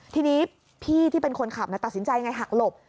ทีนี้พี่ที่เป็นคนขับตัดสินใจไงหักหลบ